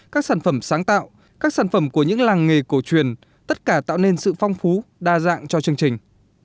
các sản phẩm sáng tạo các sản phẩm của những làng nghề cổ truyền tất cả tạo nên sự phong phú đa dạng cho chương trình